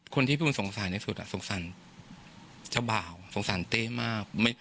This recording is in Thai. คนที่คุณสงสารในสุดสงสารเจ้าบ่าวสงสารเต้มาก